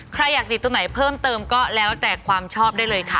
ใครอยากติดตรงไหนเพิ่มเติมก็แล้วแต่ความชอบได้เลยค่ะ